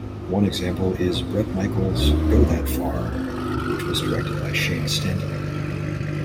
One example is Bret Michaels "Go That Far" which was directed by Shane Stanley.